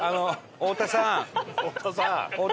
太田さん！